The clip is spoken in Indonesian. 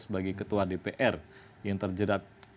sebagai ketua dpr yang terjerat